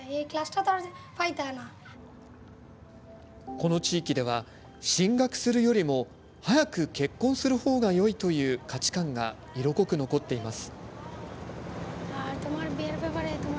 この地域では、進学するよりも早く結婚する方がよいという価値観が色濃く残っています。